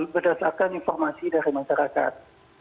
berdasarkan informasi dari masyarakat